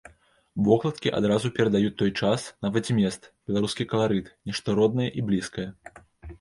Вокладкі адразу перадаюць той час, нават змест, беларускі каларыт, нешта роднае і блізкае.